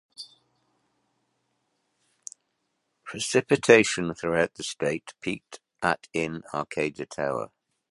Precipitation throughout the state peaked at in Arcadia Tower.